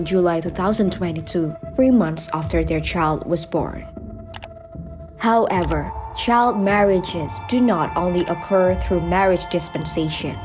di indonesia perkahwinan anak yang tidak diserahkan atau tidak diserahkan